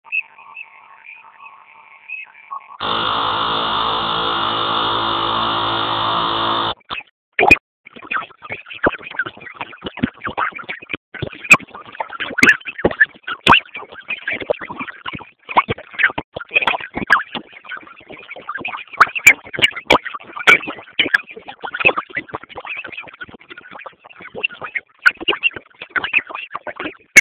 chakata viazi kupata malighafi za viwanda